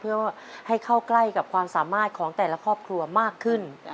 เพื่อให้เข้าใกล้กับความสามารถของแต่ละครอบครัวมากขึ้น